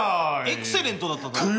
「エクセレント」だっただろ。